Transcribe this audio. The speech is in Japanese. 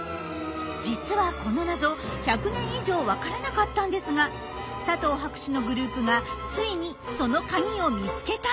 実はこの謎１００年以上分からなかったんですが佐藤博士のグループがついにそのカギを見つけたんです。